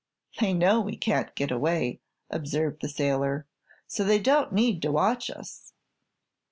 "They know we can't get away," observed the sailor, "so they don't need to watch us."